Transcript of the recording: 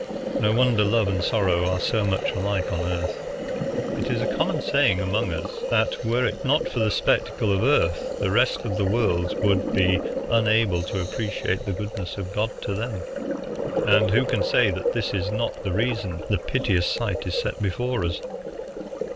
No wonder love and sorrow are so much alike on Earth. It is a common saying among us that, were it not for the spectacle of the Earth, the rest of the worlds would be unable to appreciate the goodness of God to them; and who can say that this is not the reason the piteous sight is set before us?"